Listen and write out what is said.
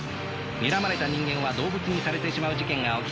にらまれた人間は動物にされてしまう事件が起きていた。